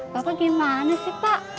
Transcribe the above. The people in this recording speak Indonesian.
bapak gimana sih pak